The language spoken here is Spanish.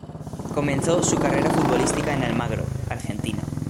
Comenzó su carrera futbolística en Almagro, Argentina.